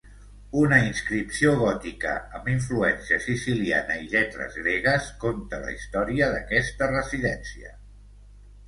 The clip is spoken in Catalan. Una inscripció gòtica, amb influència siciliana i lletres gregues, conta la història d'aquesta residència.